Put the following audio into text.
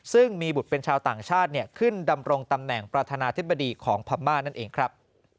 ซึ่งมีบุตรเป็นชาวต่างชาติขึ้นดำรงตำแหน่งประธานาธิบดีของพม่านั่นเองครับ